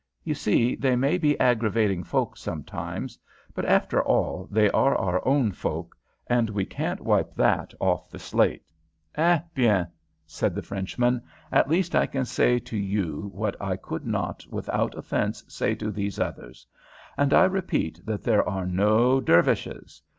You see, they may be aggravating folk sometimes, but after all they are our own folk, and we can't wipe that off the slate." "Eh bien!" said the Frenchman. "At least I can say to you what I could not without offence say to these others. And I repeat that there are no Dervishes.